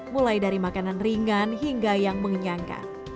mulai dari makanan ringan hingga yang mengenyangkan